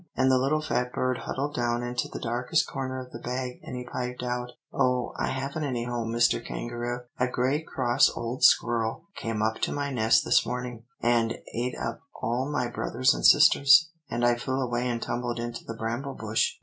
And the little fat bird huddled down into the darkest corner of the bag and he piped out, 'Oh, I haven't any home, Mr. Kangaroo. A great cross old squirrel came up to my nest this morning, and ate up all my brothers and sisters, and I flew away and tumbled into the bramble bush.